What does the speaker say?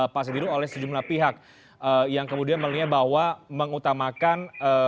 pak sidul oleh sejumlah pihak yang kemudian melihat bahwa mengutamakan